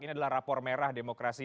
ini adalah rapor merah demokrasi